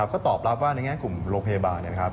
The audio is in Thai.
ก็ตอบรับว่ากลุ่มโรงพยาบาล